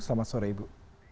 selamat sore ibu